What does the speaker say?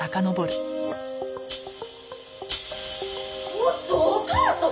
ちょっとお母さん！